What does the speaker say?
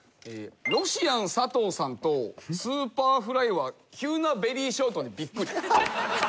ロシアン佐藤さんとＳｕｐｅｒｆｌｙは急なベリーショートにビックリ。